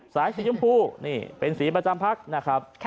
สายสีชมพูนี่เป็นสีประจำพักนะครับ